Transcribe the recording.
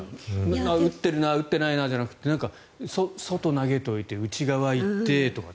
打ってるな打ってないなじゃなくて外へ投げておいて内側行ってとか。